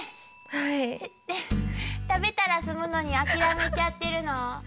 食べたらすむのにあきらめちゃってるの？